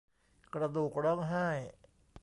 กระดูกร้องไห้